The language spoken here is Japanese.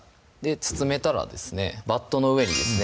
包めたらですねバットの上にですね